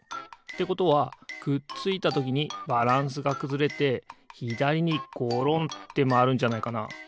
ということはくっついたときにバランスがくずれてひだりにごろんってまわるんじゃないかな？